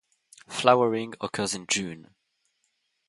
Flowering occurs in June.